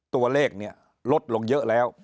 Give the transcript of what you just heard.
ตัวเลขเนี่ยลดลงเยอะแล้ว